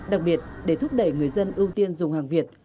đặc biệt để thúc đẩy người dân ưu tiên dùng hàng việt